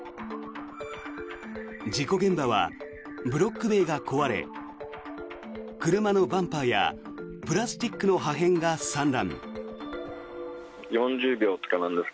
事故現場はブロック塀が壊れ車のバンパーやプラスチックの破片が散乱。